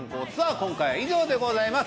今回は以上でございます。